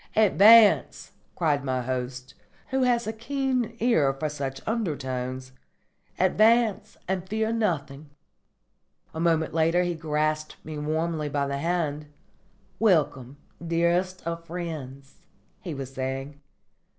"Advance," cried my host, who had a keen ear for such undertones. "Advance and fear nothing." A moment later he grasped me warmly by the hand, "Welcome, dearest of friends," he was saying.